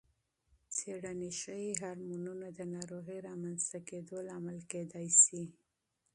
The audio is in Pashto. څېړنې ښيي، هورمونونه د ناروغۍ رامنځته کېدو لامل کېدای شي.